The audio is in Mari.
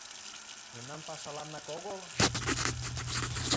Мемнан пашаланнак огыл?